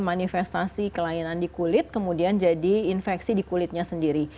manifestasi kelainan di kulit kemudian jadi infeksi di kulitnya sendiri